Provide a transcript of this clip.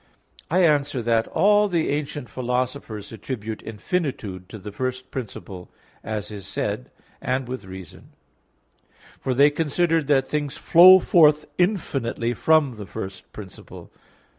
I answer that, All the ancient philosophers attribute infinitude to the first principle, as is said (Phys. iii), and with reason; for they considered that things flow forth infinitely from the first principle.